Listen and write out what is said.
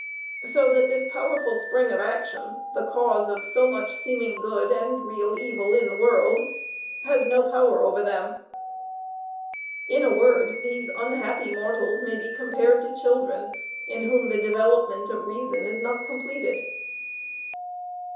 So that this powerful spring of action, the cause of so much seeming good and real evil in the world, has no power over them. In a word, these unhappy mortals may be compared to children, in whom the development of reason is not completed."